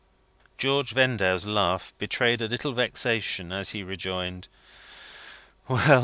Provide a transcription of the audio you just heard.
George Vendale's laugh betrayed a little vexation as he rejoined: "Well!